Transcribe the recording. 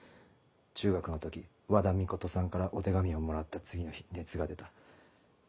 中学の時和田美琴さんからお手紙をもらった次の日熱が出た。